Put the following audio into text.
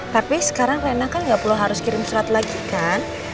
tapi sekarang rena kan nggak perlu harus kirim surat lagi kan